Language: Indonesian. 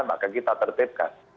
maka kita tertipkan